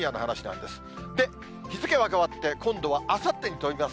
で、日付は変わって、今度はあさってに飛びます。